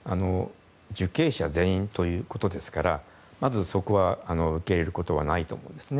受刑者全員ということですからまずそこは受け入れることはないと思うんですね。